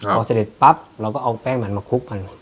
พอเสร็จปั๊บเราก็เอาแป้งมันมาคลุกกัน